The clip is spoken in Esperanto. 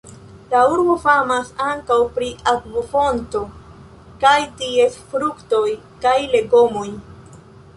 La urbo famas ankaŭ pri akvofonto kaj ties fruktoj kaj legomoj.